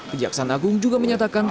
kejaksaan agung juga menyatakan